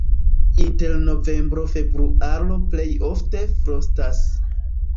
Inter novembro-februaro plej ofte frostas.